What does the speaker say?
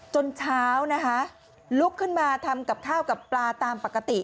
เช้านะคะลุกขึ้นมาทำกับข้าวกับปลาตามปกติ